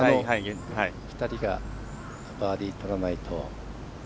２人がバーディーとらないと。